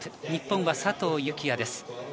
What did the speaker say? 日本は佐藤幸椰です。